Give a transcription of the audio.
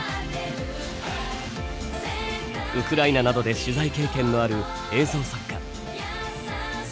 ウクライナなどで取材経験のある映像作家。